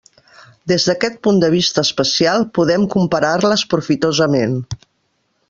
Des d'aquest punt de vista especial, podem comparar-les profitosament.